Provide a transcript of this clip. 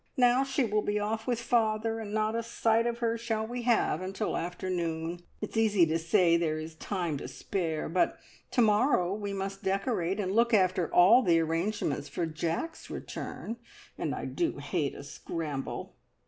Now she will be off with father, and not a sight of her shall we have until afternoon. It's easy to say there is time to spare, but to morrow we must decorate, and look after all the arrangements for Jack's return, and I do hate a scramble.